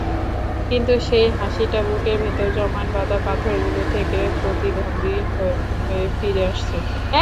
কিন্তু সেই হাসিটা বুকের ভেতর জমাটবাঁধা পাথরগুলো থেকে প্রতিধ্বনি হয়ে ফিরে আসছে।